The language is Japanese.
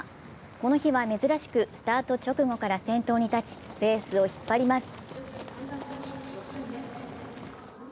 この日は珍しくスタート直後から先頭に立ちレースを引っ張ります。